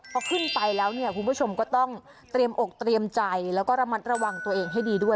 พอขึ้นไปแล้วเนี่ยคุณผู้ชมก็ต้องเตรียมอกเตรียมใจแล้วก็ระมัดระวังตัวเองให้ดีด้วย